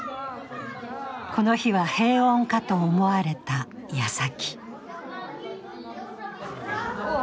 この日は平穏かと思われた矢先